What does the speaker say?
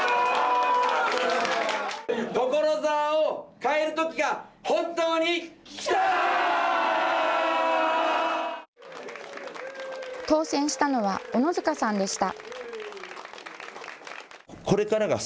所沢を変えるときが本当に、来たー！当選したのは小野塚さんでした。